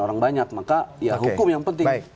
orang banyak maka ya hukum yang penting